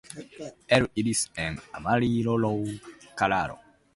El iris es amarillo claro.